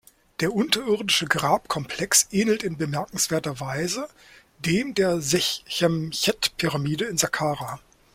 Der unterirdische Grabkomplex ähnelt in bemerkenswerter Weise dem der Sechemchet-Pyramide in Sakkara.